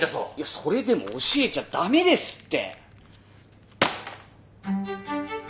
それでも教えちゃダメですって！